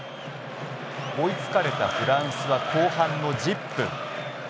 追いつかれたフランスは後半の１０分。